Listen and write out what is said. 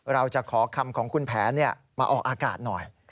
เราจะขอคำของคุณแผนมาออกอากาศหน่อย